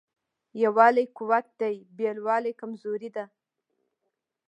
یووالی قوت دی بېلوالی کمزوري ده.